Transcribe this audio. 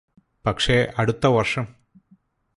പക്ഷേ അടുത്ത വര്ഷം